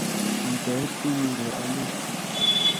Mwaitaet kukurei alik